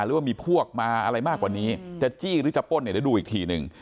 หรือว่ามีพวกมาอะไรมากกว่านี้จะจี้หรือจะป้นเนี่ยเดี๋ยวดูอีกทีหนึ่ง